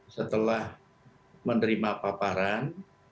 setelah menerima paparan